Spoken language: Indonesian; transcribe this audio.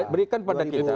berikan kepada kita